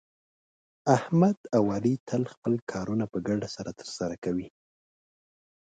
احمد او علي تل خپل کارونه په ګډه سره ترسه کوي.